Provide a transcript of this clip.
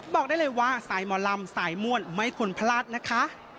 บอกได้เลยว่าสายหมอลำสายม่วนไม่ควรพลาดนะคะ